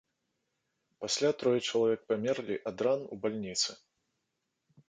Пасля трое чалавек памерлі ад ран у бальніцы.